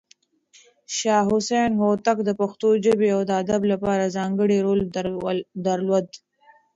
شاه حسين هوتک د پښتو ژبې او ادب لپاره ځانګړی رول درلود.